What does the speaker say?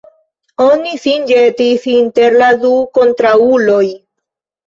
Oni sin ĵetis inter la du kontraŭuloj.